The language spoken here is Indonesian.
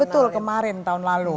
betul kemarin tahun lalu